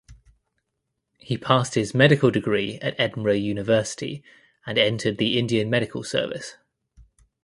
He passed his medical degree at Edinburgh University and entered the Indian Medical Service.